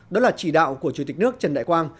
đó là chỉ đạo của chủ tịch nước trần đại quang